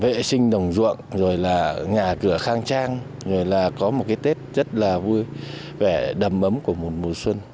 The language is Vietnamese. vệ sinh đồng ruộng rồi là nhà cửa khang trang rồi là có một cái tết rất là vui vẻ đầm ấm của một mùa xuân